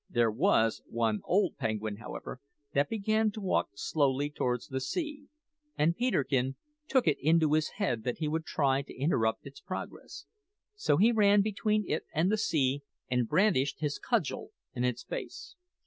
There was one old penguin, however, that began to walk slowly towards the sea; and Peterkin took it into his head that he would try to interrupt its progress, so he ran between it and the sea and brandished his cudgel in its face.